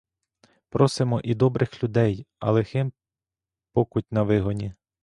Просимо і добрих людей, а лихим покуть на вигоні!